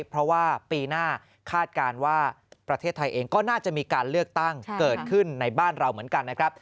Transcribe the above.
เพราะว่าปีหน้าคาดการณ์ว่าประเทศไทยเองก็น่าจะมีการเลือกตั้งเกิดขึ้นในบ้านเราเหมือนกันนะครับ